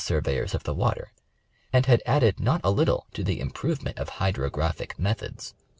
surveyors of the water, and had added not a little to the im provement of Hydrographic methods.